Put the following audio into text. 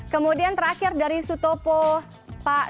kemudian terakhir dari sutopo pak